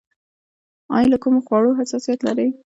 ایا له کومو خوړو حساسیت لرئ؟